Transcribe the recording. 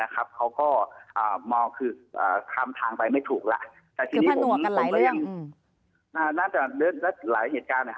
เขาก็มองคือทางไปไม่ถูกละไม่ประหนักหลายเรื่อง